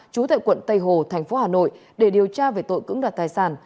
trú tại quận tây hồ thành phố hà nội để điều tra về tội cưỡng đoạt tài sản